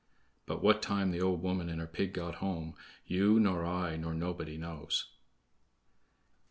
But what time the old woman and her pig got home, you, nor I, nor nobody knows.